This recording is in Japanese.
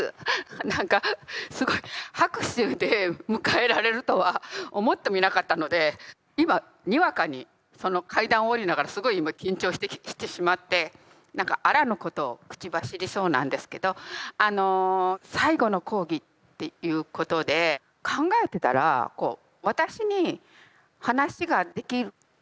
何かすごい拍手で迎えられるとは思ってもいなかったので今にわかにその階段を下りながらすごい今緊張してきてしまって何かあらぬことを口走りそうなんですけどあの「最後の講義」っていうことで考えてたら私に話ができることってそんなにないんですよ。